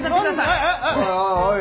おい